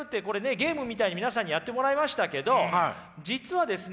ゲームみたいに皆さんにやってもらいましたけど実はですね